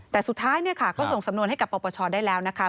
แต่สุดท้ายก็ส่งสำนวนให้กับปรปชรได้แล้วนะคะ